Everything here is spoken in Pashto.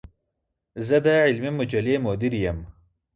زۀ د علمي مجلې مدير يم.